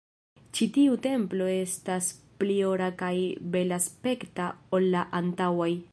Ĉi tiu templo estas pli ora kaj belaspekta ol la antaŭaj